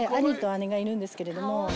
兄と姉がいるんですけれども。